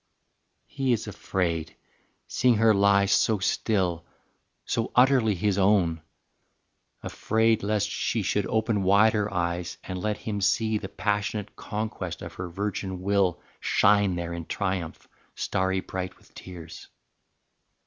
XVI. He is afraid, seeing her lie so still, So utterly his own; afraid lest she Should open wide her eyes and let him see The passionate conquest of her virgin will Shine there in triumph, starry bright with tears.